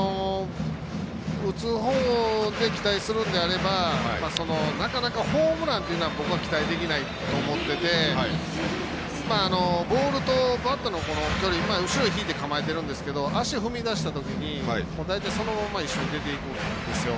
打つほうで期待するんであればなかなかホームランというのは僕は期待できないと思ってて、ボールとバットの距離後ろに引いて構えているんですが足踏み出したときに、そのまま一緒に出ていくんですよ。